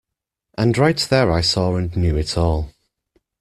And right there I saw and knew it all.